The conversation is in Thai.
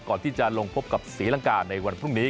ก่อนที่จะลงพบกับศรีลังกาในวันพรุ่งนี้